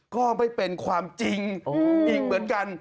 ก็ไม่เป็นความจริงอีกเหมือนกัน